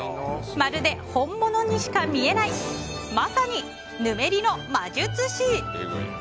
まるで、本物にしか見えないまさに、ぬめりの魔術師！